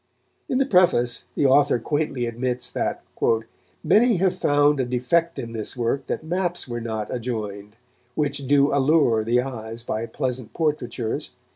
In the preface the author quaintly admits that "many have found a defect in this work that maps were not adjoined, which do allure the eyes by pleasant portraitures